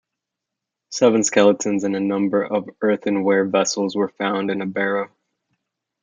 Seven skeletons and a number of earthenware vessels were found in a barrow.